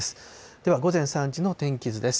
では午前３時の天気図です。